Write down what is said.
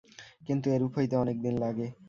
কিন্তু এরূপ হইতে অনেক দিন লাগে।